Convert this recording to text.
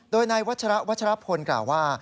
โดยนายวัชระวัชรพลกล่าวว่า